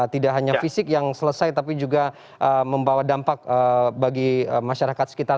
tidak hanya fisik yang selesai tapi juga membawa dampak bagi masyarakat sekitar